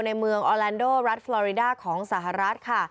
ในเมืองออแลนโดรัฐฟลอริดาของสหรัฐค่ะ